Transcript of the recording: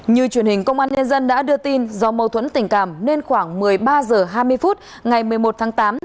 như truyền hình công an nhân dân đã đưa tin do mâu thuẫn tình cảm nên khoảng một mươi ba h hai mươi phút ngày một mươi một tháng tám